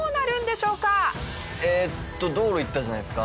えーっと道路行ったじゃないですか。